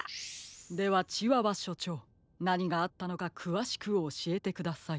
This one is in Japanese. ではチワワしょちょうなにがあったのかくわしくおしえてください。